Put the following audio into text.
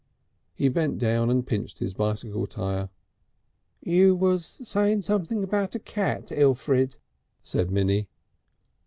He bent down and pinched his bicycle tire. "You was saying something about a cat, Elfrid," said Minnie.